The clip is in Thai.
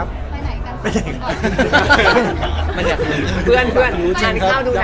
ไปไหนคะ